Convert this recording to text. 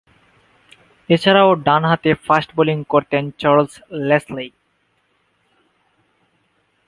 এছাড়াও ডানহাতে fast bowling করতেন চার্লস লেসলি।